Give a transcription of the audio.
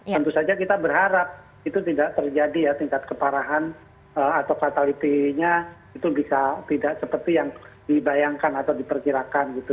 tentu saja kita berharap itu tidak terjadi ya tingkat keparahan atau fatality nya itu bisa tidak seperti yang dibayangkan atau diperkirakan gitu